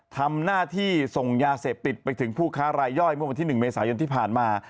ทำหน้าที่ส่งยาเสพติดไปถึงผู้ค้ารายย่อยเมื่อวันที่๑เมษายนที่ผ่านมา